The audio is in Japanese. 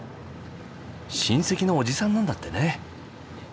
親戚の叔父さんなんだってね。